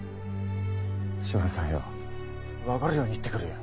島田さんよ分がるように言ってくれよ。